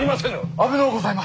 危のうございます。